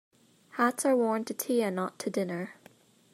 Hats are worn to tea and not to dinner.